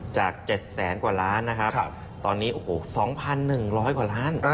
จาก๗๐๐กว่าล้านนะครับตอนนี้๒๑๐๐กว่าล้าน